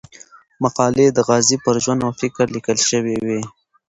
مقالې د غازي پر ژوند او فکر ليکل شوې وې.